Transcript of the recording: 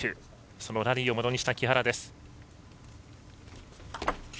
そのラリーをものにした木原です。